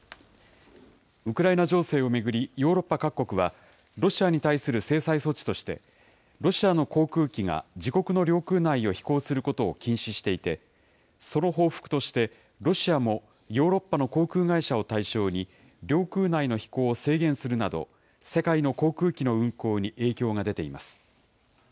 ウクライナ情勢を巡り、ヨーロッパ各国は、ロシアに対する制裁措置として、ロシアの航空機が自国の領空内を飛行することを禁止していて、その報復として、ロシアもヨーロッパの航空会社を対象に、領空内の飛行を制限するなど、世界の航空機の運航に影響が出ています。